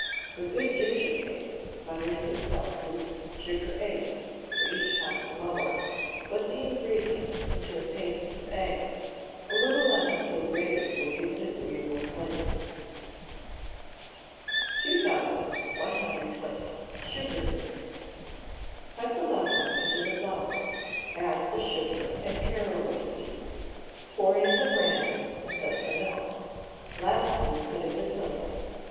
For good ginger cakes, butter six ounces, sugar eight, for each pound of flour; wet the ingredients into a paste with eggs: a little lemon peel grated will give an agreeable flavour. 2120. Sugar Biscuits. Cut the butter into the flour. Add the sugar and caraway seeds. Pour in the brandy, and then the milk. Lastly, put in the soda.